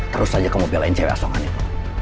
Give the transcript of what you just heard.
terus aja kamu belain cewek asongan itu